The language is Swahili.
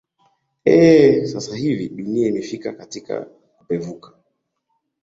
eeh sasa hivi dunia imefikia katika kupevuka